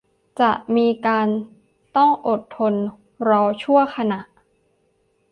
จะมีการต้องอดทนรอชั่วขณะ